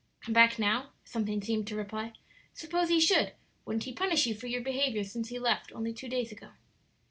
"Come back now?" something seemed to reply; "suppose he should; wouldn't he punish you for your behavior since he left, only two days ago?"